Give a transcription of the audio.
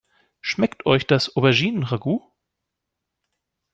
Schmeckt euch das Auberginen-Ragout?